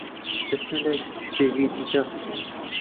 دەچنە لای پزیشکێکی دیکە